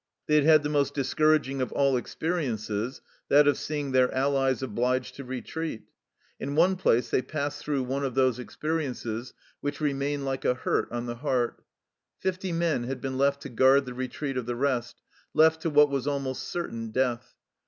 They had had the most discouraging of all experiences, that of seeing their allies obliged to retreat. In one place they passed through^one of 24 THE CELLAR HOUSE OF PERVYSE those experiences which remain like a hurt on the heart. Fifty men had been left to guard the retreat of the rest, left to what was almost certain death.